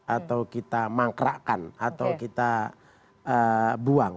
atau kita mangkrakkan atau kita buang